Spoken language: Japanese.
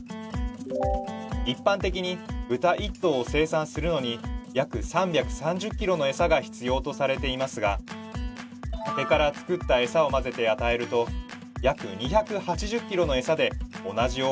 一般的に豚１頭を生産するのに約３３０ｋｇのエサが必要とされていますが竹から作ったエサを混ぜて与えると約２８０ｋｇのエサで同じ大きさに成長したというのです。